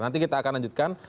nanti kita akan lanjutkan